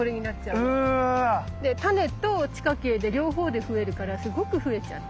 うわ！で種と地下茎で両方で増えるからすごく増えちゃって。